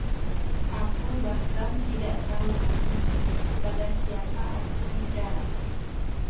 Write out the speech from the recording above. Aku bahkan tidak tahu lagi kepada siapa aku bicara.